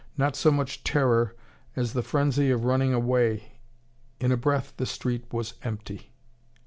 Not so much terror as the frenzy of running away. In a breath the street was empty.